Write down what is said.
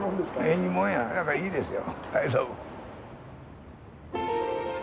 縁起もんやだからいいですよ。